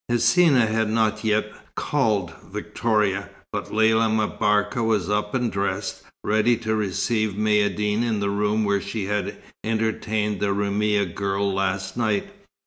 Hsina had not yet called Victoria, but Lella M'Barka was up and dressed, ready to receive Maïeddine in the room where she had entertained the Roumia girl last night.